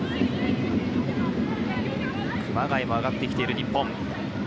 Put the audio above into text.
熊谷も上がってきている日本。